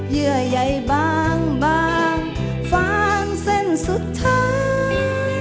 เยื่อใยบางฝากเส้นสุดท้าย